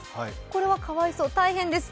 これはかわいそう、大変です。